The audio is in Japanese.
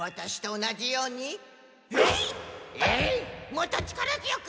もっと力強く！